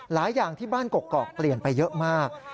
อย่างที่บ้านกกอกเปลี่ยนไปเยอะมาก